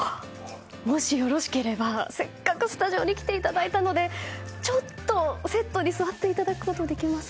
もしよろしければ、せっかくスタジオに来ていただいたのでちょっと、セットに座っていただくことできますか？